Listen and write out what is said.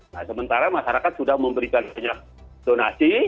nah sementara masyarakat sudah memberikan banyak donasi